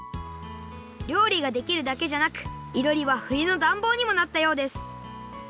料理ができるだけじゃなくいろりはふゆのだんぼうにもなったようです